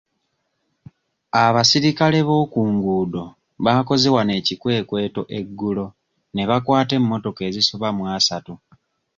Abasirikale bookunguuddo baakoze wano ekikwekweto eggulo ne bakwata emmotoka ezisoba mu asatu.